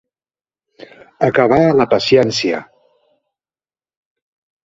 Acabar la paciència.